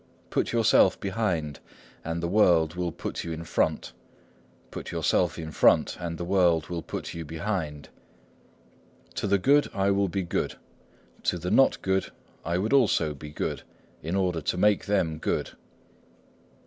"Put yourself behind, and the world will put you in front; put yourself in front, and the world will put you behind." "To the good I would be good; to the not good I would also be good, in order to make them good."